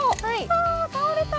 あ倒れた！